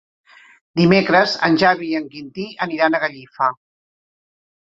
Dimecres en Xavi i en Quintí aniran a Gallifa.